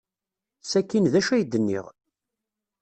Sakkin d acu ay d-nniɣ?